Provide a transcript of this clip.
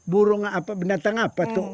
burung apa binatang apa tuh